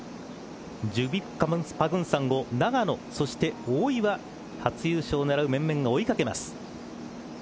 ジュビック・パグンサンを永野、そして大岩初優勝を狙う面々が追い掛けます。